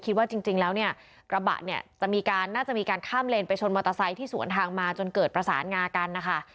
คิดว่าจริงแล้วเนี่ยกระบะเนี่ยจะมีการน่าจะมีการข้ามเลนไปชนมอเตอร์ไซค์ที่สวนทางมาจนเกิดประสานงากันนะคะ